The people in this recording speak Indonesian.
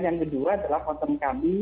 yang kedua adalah concern kami